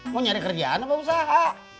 mau nyari kerjaan apa usaha